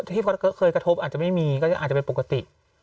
ที่เคยกระทบอาจจะไม่มีก็อาจจะเป็นปกติ